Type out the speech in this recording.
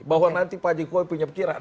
bahwa nanti pak jokowi punya pikiran